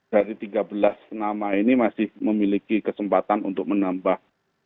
dari tiga belas nama ini masih memiliki kesempatan untuk menambah